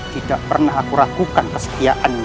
tidak pernah aku ragukan kesetiaanmu